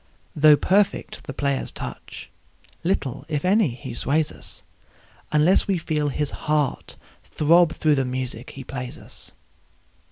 Though perfect the player's touch, little, if any, he sways us, Unless we feel his heart throb through the music he plays us.